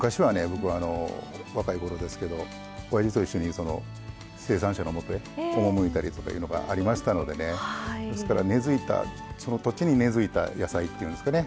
僕若い頃ですけどおやじと一緒に生産者のもとへ赴いたりとかいうのがありましたのでねですからその土地に根づいた野菜っていうんですかね。